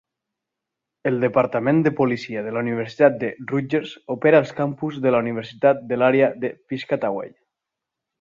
El departament de policia de la Universitat de Rutgers opera als campus de la universitat de l'àrea de Piscataway.